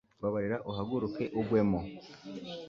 mbabarira uhaguruke ugwemo